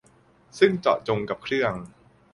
ซึ่งเจาะจงกับเครื่อง